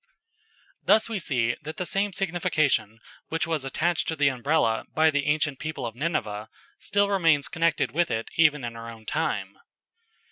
Thus we see that the same signification which was attached to the Umbrella by the ancient people of Nineveh, still remains connected with it even in our own time.